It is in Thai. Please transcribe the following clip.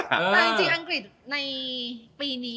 แต่จริงอังกฤษในปีนี้